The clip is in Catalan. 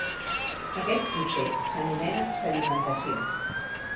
Aquest procés s'anomena sedimentació.